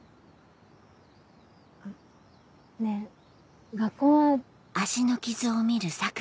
あっねぇ学校は。